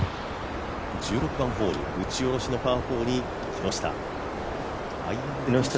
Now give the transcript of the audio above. １６番ホール打ち下ろしのパー４に木下。